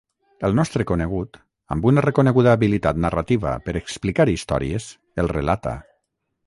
El nostre conegut, amb una reconeguda habilitat narrativa per explicar històries, el relata.